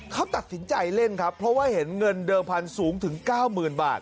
เขาตัดสินใจเล่นครับเพราะว่าเห็นเงินเดิมพันธุ์สูงถึง๙๐๐บาท